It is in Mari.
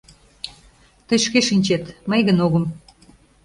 — Тый шке шинчет, мый гын огым.